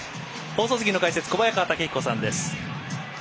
放送席の解説は小早川毅彦さんです。